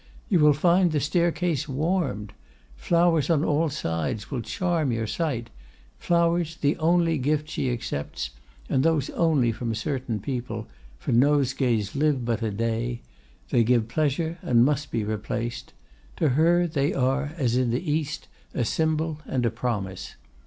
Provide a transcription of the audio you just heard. You will find the staircase warmed. Flowers on all sides will charm your sight—flowers, the only gift she accepts, and those only from certain people, for nosegays live but a day; they give pleasure, and must be replaced; to her they are, as in the East, a symbol and a promise.